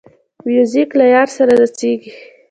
موزیک له یار سره نڅېږي.